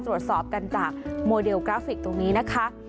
ตรวจสอบกันจากโมเดลกราฟิกตรงนี้นะคะ